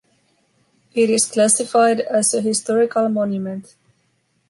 It is classified as a historical monument.